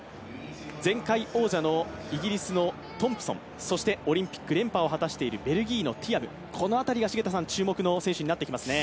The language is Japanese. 前回王者のイギリスのトンプソン、そしてオリンピック連覇を果たしているベルギーのティアム、この辺りが注目の選手になってきますね。